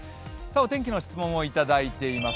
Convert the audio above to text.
お天気の質問いただいています。